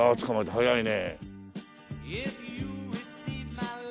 早いね。